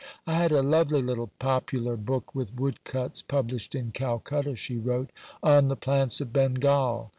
"I had a lovely little popular book with woodcuts, published in Calcutta," she wrote, "on the plants of Bengal.